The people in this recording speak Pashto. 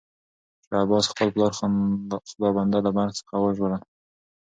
شاه عباس خپل پلار خدابنده له مرګ څخه وژغوره.